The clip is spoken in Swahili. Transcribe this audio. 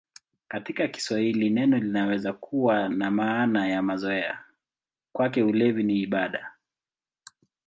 Katika Kiswahili neno linaweza kuwa na maana ya mazoea: "Kwake ulevi ni ibada".